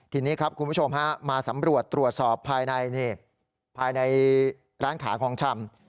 ทีนี้ครับคุณผู้ชมฮะมาสำรวจตรวจสอบภายในภายในร้านขายของชำ